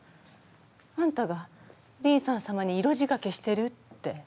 あんたがリンサン様に色仕掛けしてるって。